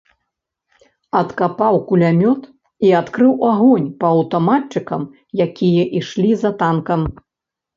Адкапаў кулямёт і адкрыў агонь па аўтаматчыкам, якія ішлі за танкам.